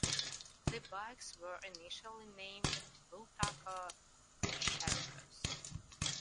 The bikes were initially named Bultaco Shercos.